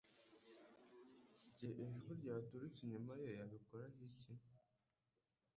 Igihe ijwi ryaturutse inyuma ye yabikoraho iki